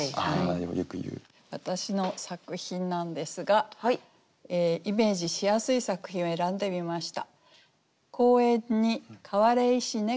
私の作品なんですがイメージしやすい作品を選んでみました。